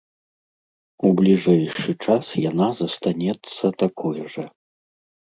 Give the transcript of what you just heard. У бліжэйшы час яна застанецца такой жа.